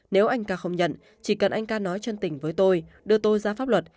nếu anh ca không nhận chỉ cần anh ca nói chân tình với tôi đưa tôi ra pháp luật